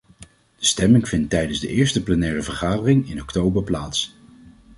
De stemming vindt tijdens de eerste plenaire vergadering in oktober plaats.